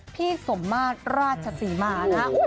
พี่สมมารราชสีมานะครับ